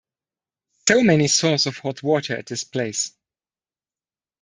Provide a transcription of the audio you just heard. So many source of hot water at this place.